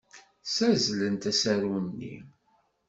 Ssazzlent asaru-nni.